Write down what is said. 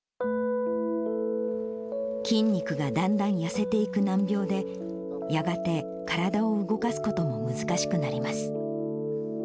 筋肉がだんだん痩せていく難病で、やがて体を動かすことも難しくなります。